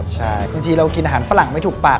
จะกินอาหารฝรั่งเหมือนไม่ถูกปาก